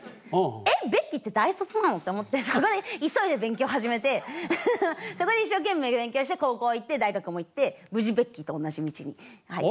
「えっベッキーって大卒なの？」って思ってそこで急いで勉強始めてそこで一生懸命勉強して高校行って大学も行って無事ベッキーと同じ道に入った。